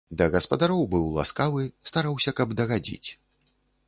Да гаспадароў быў ласкавы, стараўся, каб дагадзіць.